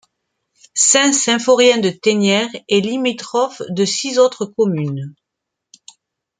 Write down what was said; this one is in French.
Saint-Symphorien-de-Thénières est limitrophe de six autres communes.